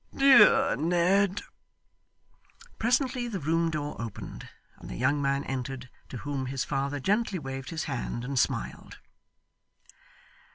'Dear Ned!' Presently the room door opened, and the young man entered; to whom his father gently waved his hand, and smiled.